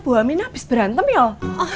bu aminah abis berantem yoh